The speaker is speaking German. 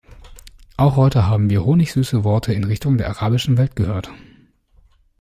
Auch heute haben wir honigsüße Worte in Richtung der arabischen Welt gehört.